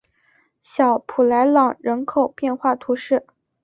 小普莱朗人口变化图示